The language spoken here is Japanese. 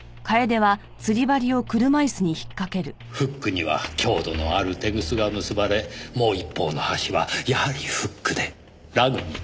フックには強度のあるテグスが結ばれもう一方の端はやはりフックでラグに留めてあった。